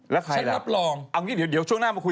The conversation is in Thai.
แล้วใครล่ะเอาอย่างนี้เดี๋ยวช่วงหน้ามาคุย